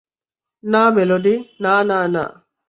না, মেলোডি, না, না, না।